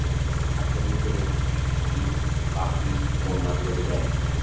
এর খাদ্যের মধ্যে রয়েছে টিকটিকি, পাখি এবং মাঝে মাঝে ব্যাঙ।